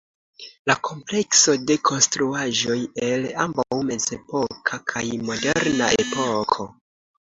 La komplekso de konstruaĵoj el ambaŭ mezepoka kaj moderna epoko.